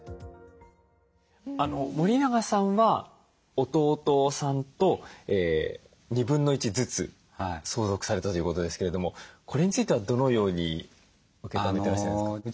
森永さんは弟さんと1/2ずつ相続されたということですけれどもこれについてはどのように受け止めてらっしゃるんですか？